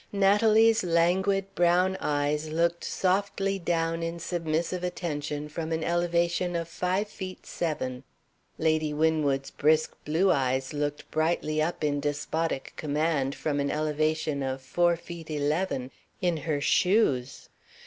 Natalie's languid brown eyes looked softly down in submissive attention from an elevation of five feet seven. Lady Winwood's brisk blue eyes looked brightly up in despotic command from an elevation of four feet eleven (in her shoes).